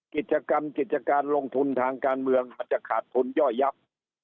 กิจกรรมกิจการลงทุนทางการเมืองอาจจะขาดทุนย่อยยับ